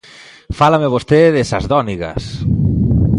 Fálame vostede de Sasdónigas.